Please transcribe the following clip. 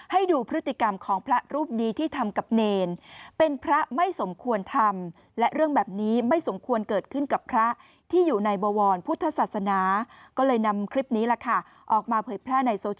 ให้ดูพฤติกรรมของพระรูปนี้ที่ทำกับเณร